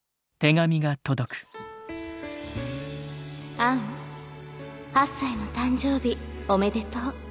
「アン８歳の誕生日おめでとう。